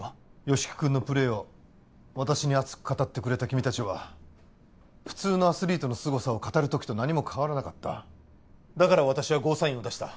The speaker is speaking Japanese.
吉木君のプレーを私に熱く語ってくれた君達は普通のアスリートのすごさを語る時と何も変わらなかっただから私はゴーサインを出した